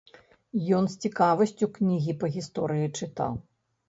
Ён з цікавасцю кнігі па гісторыі чытаў.